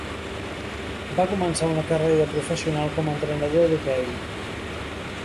Va començar una carrera professional com a entrenador d'hoquei.